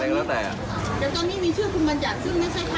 แต่ตรงนี้มีชื่อคุณบัญญาณซึ่งไม่ใช่ฆาตแกนนามสุภาษณากฏแทนา